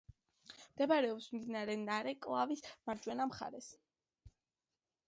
მდებარეობს მდინარე ნარეკვავის მარჯვენა მხარეს.